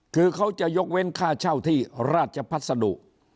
คือเขาจะยกเว้นค่าเช่าที่ราชพัสดุ